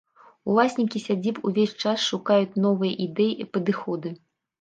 Уласнікі сядзіб увесь час шукаюць новыя ідэі і падыходы.